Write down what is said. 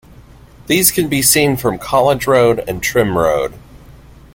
These can be seen from College Road and Trym Road.